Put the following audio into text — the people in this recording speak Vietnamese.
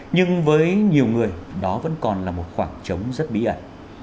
nhưng với nhiều người đó vẫn còn là một khoảng trống rất bí ẩn